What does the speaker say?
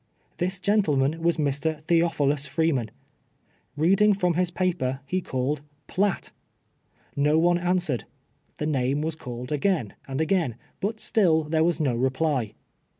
This gentleman was Mr. Theopliilus Freeman. Reading from his paper, he called, " Piatt." No one answered. The name was called again and again, but fitill there was no reply.